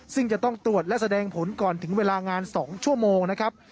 ซึ่งจะต้องตรวจและแสดงผลก่อนถึงเวลางาน๒ชั่วโมงนะครับ